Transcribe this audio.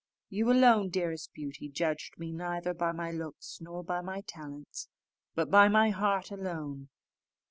You alone, dearest Beauty, judged me neither by my looks nor by my talents, but by my heart alone.